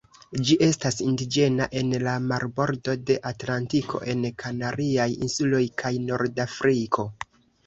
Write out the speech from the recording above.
Ĝi estas indiĝena en la marbordo de Atlantiko en Kanariaj insuloj kaj Nordafriko.